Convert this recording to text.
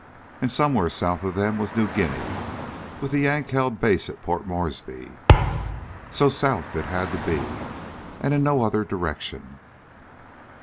And somewhere south of them was New Guinea with the Yank held base at Port Morseby. So south it had to be, and in no other direction.